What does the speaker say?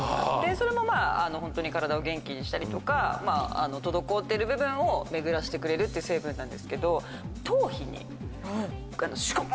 それもまぁホントに体を元気にしたりとか滞ってる部分を巡らせてくれるっていう成分なんですけど。